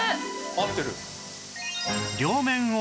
「合ってる」